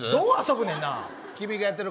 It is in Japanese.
どう遊ぶねん。